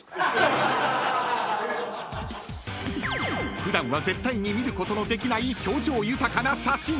［普段は絶対に見ることのできない表情豊かな写真］